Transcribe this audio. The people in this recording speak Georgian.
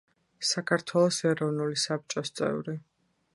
საქართველოს ეროვნული საბჭოს წევრი.